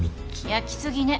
焼き過ぎね。